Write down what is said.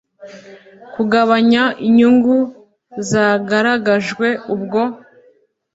Kugabanya inyungu zagaragajwe ubwo